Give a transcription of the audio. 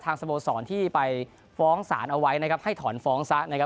สโมสรที่ไปฟ้องศาลเอาไว้นะครับให้ถอนฟ้องซะนะครับ